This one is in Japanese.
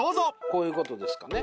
こういうことですかね？